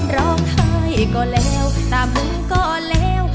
รอคอยก็แล้วตามหุ้งก็แล้ว